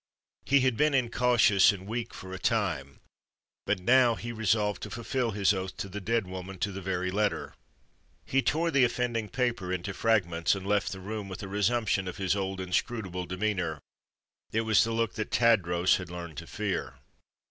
He had been incautious and weak for a time, but now he resolved to fulfil his oath to the dead woman to the very letter. He tore the offending paper into fragments, and left the room with a resumption of his old inscrutable demeanor. It was the look that Tadros had learned to fear.